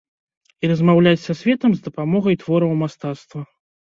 І размаўляць са светам з дапамогай твораў мастацтва.